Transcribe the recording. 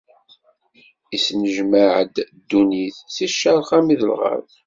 Isnejmaɛ-d ddunit, si ccerq armi d lɣerb.